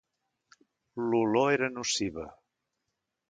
L'olor era nociva.